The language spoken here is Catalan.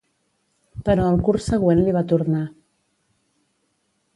Però al curs següent li va tornar.